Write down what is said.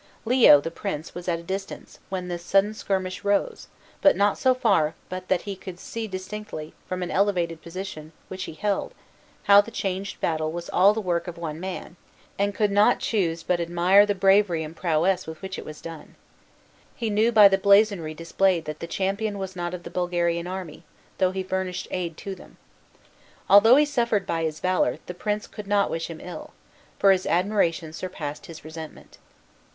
Leo, the prince, was at a distance when this sudden skirmish rose, but not so far but that he could see distinctly, from an elevated position which he held, how the changed battle was all the work of one man, and could not choose but admire the bravery and prowess with which it was done. He knew by the blazonry displayed that the champion was not of the Bulgarian army, though he furnished aid to them. Although he suffered by his valor, the prince could not wish him ill, for his admiration surpassed his resentment.